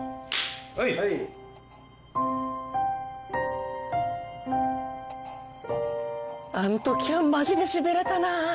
はいあんときはマジでしびれたなあ。